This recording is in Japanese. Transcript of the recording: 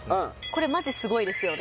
これマジすごいですよね